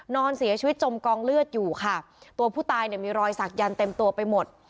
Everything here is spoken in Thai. นอนเสียชีวิตจมกองเลือดอยู่ค่ะตัวผู้ตายเนี่ยมีรอยสักยันเต็มตัวไปหมด